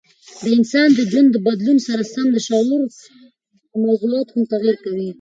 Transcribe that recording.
د انسان د ژوند د بدلون سره سم د شعر موضوعات هم تغیر کوي.